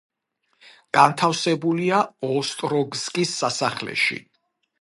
განთავსებულია ოსტროგსკის სასახლეში.